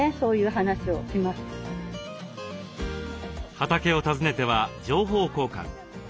畑を訪ねては情報交換。